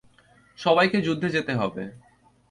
সবাইকে যুদ্ধে যেতে হবে।